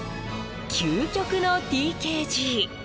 究極のＴＫＧ。